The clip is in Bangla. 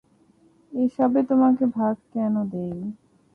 এসবে তোমাকে ভাগ কেন দেই?